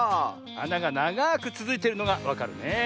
あながながくつづいてるのがわかるねえ。